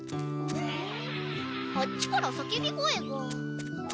あっちからさけび声が。